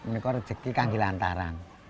ini kan rezeki kagum lantaran